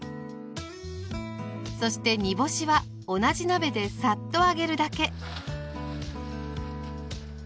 そして煮干しは同じ鍋でサッと揚げるだけ。